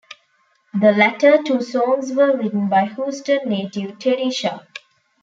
The latter two songs were written by Houston native Terri Sharp.